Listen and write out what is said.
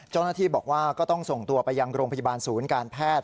เจ้าหน้าที่บอกว่าก็ต้องส่งตัวไปยังโรงพยาบาลศูนย์การแพทย์